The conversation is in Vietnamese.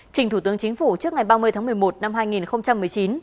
trình thủ tướng chính phủ trước ngày ba mươi tháng một mươi một năm hai nghìn một mươi chín